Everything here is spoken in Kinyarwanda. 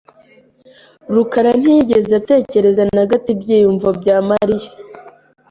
rukara ntiyigeze atekereza na gato ibyiyumvo bya Mariya .